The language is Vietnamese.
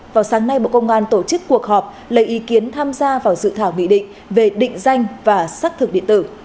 vào sáng nay bộ công an tổ chức cuộc họp lấy ý kiến tham gia vào dự thảo nghị định về định danh và xác thực điện tử